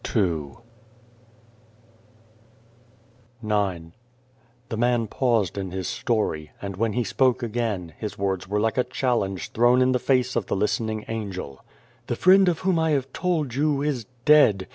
117 IX THE man paused in his story, and when he spoke again, his words were like a challenge thrown in the face of the listening Angel. " The friend of whom I have told you is dead.